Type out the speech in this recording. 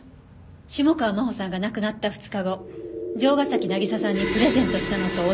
下川真帆さんが亡くなった２日後城ヶ崎渚さんにプレゼントしたのと同じものを。